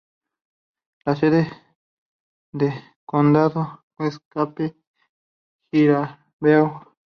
La sede de condado es Cape Girardeau.